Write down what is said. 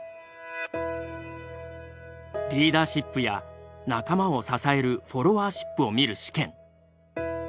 リーダーシップや仲間を支えるフォロワーシップを見る試験。